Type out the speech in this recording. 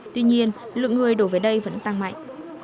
tuy nhiên lượng người đổ về đây vẫn tăng mạnh